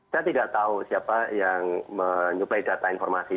saya tidak tahu siapa yang menyuplai data informasi